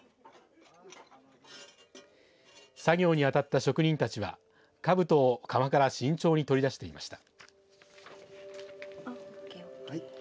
作業に当たった職人たちはかぶとを窯から慎重に取り出していました。